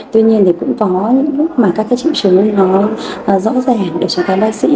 tuy nhiên thì cũng có những lúc mà các cái triệu chứng nó rõ ràng để cho các bác sĩ